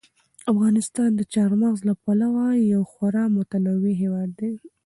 افغانستان د چار مغز له پلوه یو خورا متنوع هېواد دی.